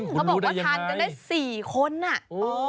คุณรู้ได้ยังไงเค้าบอกว่าทานจะได้๔คนอ่ะโอ้ย